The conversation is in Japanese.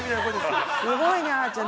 ◆すごいね、あちゃん。